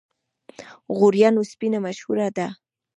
غوریان وسپنه مشهوره ده؟